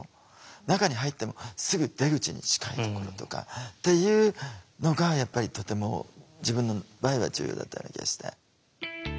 中に入ってもすぐ出口に近いところとかっていうのがやっぱりとても自分の場合は重要だったような気がして。